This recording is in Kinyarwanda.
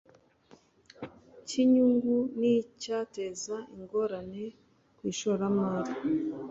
cy inyungu n icyateza ingorane ku ishoramari